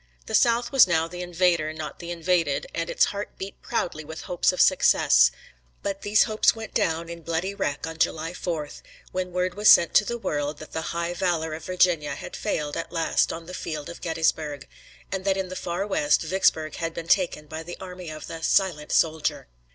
The South was now the invader, not the invaded, and its heart beat proudly with hopes of success; but these hopes went down in bloody wreck on July 4, when word was sent to the world that the high valor of Virginia had failed at last on the field of Gettysburg, and that in the far West Vicksburg had been taken by the army of the "silent soldier."